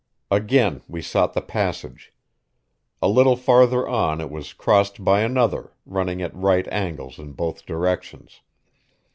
Again we sought the passage. A little farther on it was crossed by another, running at right angles in both directions.